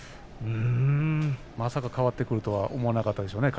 まさか変わってくると思わなかったでしょうね